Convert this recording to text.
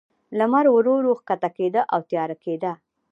لمر ورو، ورو کښته کېده، او تیاره کېده.